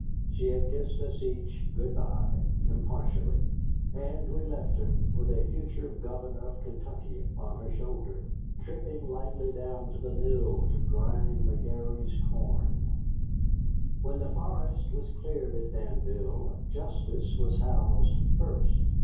She had kissed us each good by impartially. And we left her, with a future governor of Kentucky on her shoulder, tripping lightly down to the mill to grind the McGarrys' corn. When the forest was cleared at Danville, Justice was housed first.